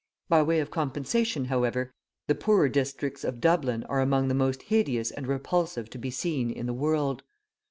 By way of compensation, however, the poorer districts of Dublin are among the most hideous and repulsive to be seen in the world.